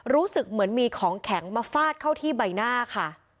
รู้สึกเหมือนมีของแข็งมาฟาดเข้าที่ใบหน้าค่ะ